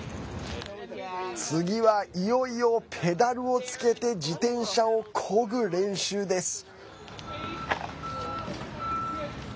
次は、いよいよペダルをつけて自転車をこぐ練習です。